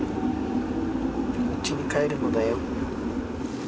うちに帰るのだよ。